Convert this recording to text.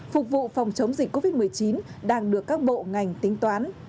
phục vụ phòng chống dịch covid một mươi chín đang được các bộ ngành tính toán